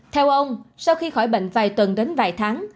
theo ông sau khi khỏi bệnh vài tuần đến vài tháng